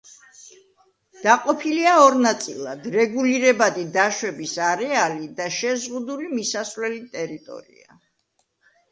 დაყოფილია ორ ნაწილად, რეგულირებადი დაშვების არეალი და შეზღუდული მისასვლელი ტერიტორია.